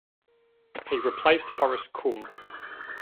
He replaced Boris Kumm.